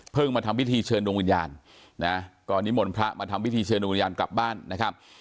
เพิ่งมาทำวิธีเชิญดวงวิญญาณนะฮะก่อนนี้หมดพระมาทำวิธีเชิญดวงวิญญาณกลับบ้านนะครับ